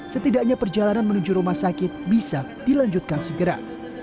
setidaknya perjalanan menuju rumah sakit bisa dilanjutkan segera